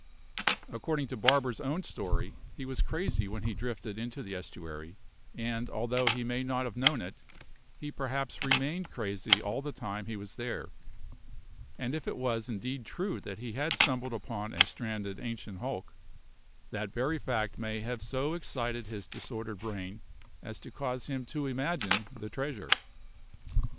According to Barber's own story he was crazy when he drifted into the estuary, and, although he may not have known it, he perhaps remained crazy all the time he was there; and if it was indeed true that he had stumbled upon a stranded ancient hulk, that very fact may have so excited his disordered brain as to cause him to imagine the treasure.